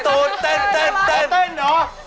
ร้านล่ะร้านล่ะ